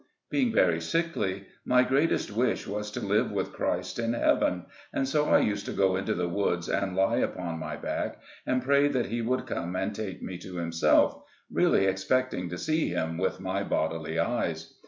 Being very sickly, my greatest wish was to live with Christ in heaven, and so I used to go into the woods and lie upon my back, and pray that he would come and take me to himself — really expecting to see Him with my bod ily eyes.